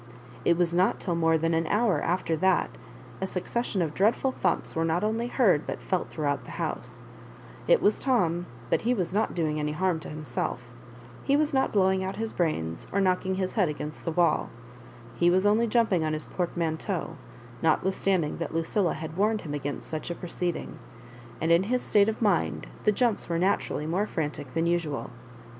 It was not till more than an hour after that a succession of dreadful thumps were not only heard but felt throughout the housa It was Tom, but he was not doing any harm to himselC He was not blowing out his brains or knockmg his Head against the wall He was only jumping on his portmanteau, not withstanding that Lucilla had warned him against such a proceeding — and in his state of mind the jumps were naturally more frantic than usual.